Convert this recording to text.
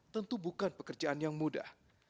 tentu bukan pekerjaan yang mudah